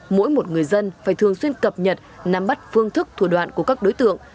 mỗi một người dân phải thường xuyên cập nhật nắm bắt phương thức thủ đoạn của các đối tượng